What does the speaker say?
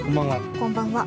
こんばんは。